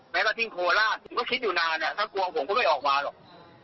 ว่าที่โคราชผมก็คิดอยู่นานถ้ากลัวผมก็ไม่ออกมาหรอก